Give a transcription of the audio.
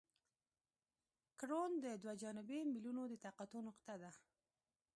کرون د دوه جانبي میلونو د تقاطع نقطه ده